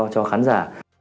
cho khán giả